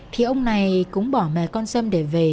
thì ông này cũng bỏ mẹ con sâm để về